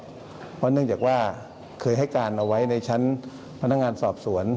เพราะเนื่องจากว่าเคยให้การเอาไว้ในชั้นพนักงานสอบสวน